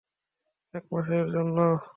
এক মাসের জন্য।